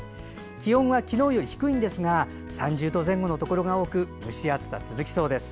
気温は昨日より低いんですが３０度前後のところが多く蒸し暑さが続きそうです。